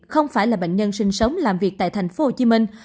không phải là bệnh nhân sinh sống làm việc tại thành phố hồ chí minh